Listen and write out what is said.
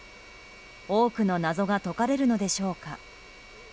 多くの謎が解かれるのでしょうか。